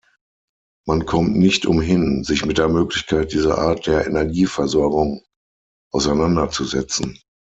Man kommt nicht umhin, sich mit der Möglichkeit dieser Art der Energieversorgung auseinanderzusetzen.